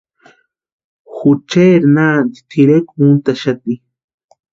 Jucheri nanti tirekwa úntaxati.